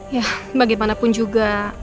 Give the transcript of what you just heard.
ya bagaimanapun juga